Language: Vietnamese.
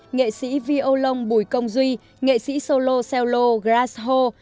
nghệ sĩ vi ô long bùi công duy nghệ sĩ solo sello grass hall